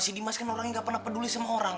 si dimas kan orang yang gak pernah peduli sama orang